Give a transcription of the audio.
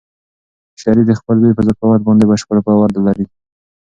شریف د خپل زوی په ذکاوت باندې بشپړ باور لري.